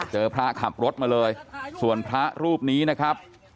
เจอพระขับรถมาเลยส่วนพระรูปนี้นะครับ